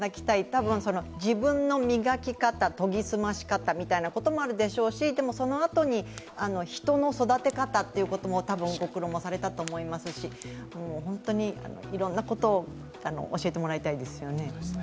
多分、自分の磨き方研ぎ澄まし方みたいなこともあるでしょうしでもそのあとに人の育てかたもたぶんご苦労もされたでしょうし、本当にいろんなことを教えてもらいたいですよね。